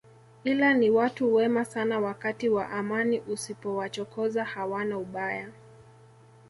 Ila ni watu wema sana wakati wa amani usipowachokoza hawana ubaya